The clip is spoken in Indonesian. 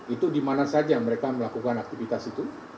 itu dimana saja mereka melakukan aktivitas itu